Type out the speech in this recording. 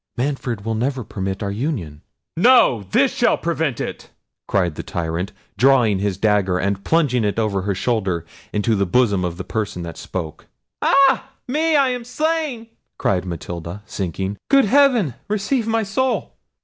Manfred will never permit our union." "No, this shall prevent it!" cried the tyrant, drawing his dagger, and plunging it over her shoulder into the bosom of the person that spoke. "Ah, me, I am slain!" cried Matilda, sinking. "Good heaven, receive my soul!"